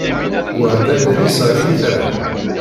Wa d adlis ɣef yitran.